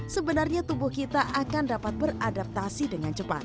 sebenarnya tubuh kita akan dapat beradaptasi dengan cepat